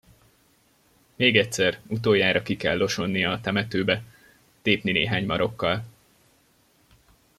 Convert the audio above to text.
Még egyszer, utoljára ki kell osonnia a temetőbe, tépni néhány marokkal.